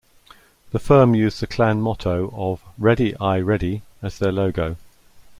The firm used the clan motto of "Ready Aye Ready" as their logo.